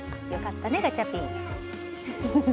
良かったね、ガチャピン！